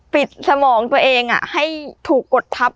สมองตัวเองให้ถูกกดทับ